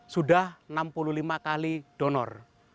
sudah enam puluh lima kali donor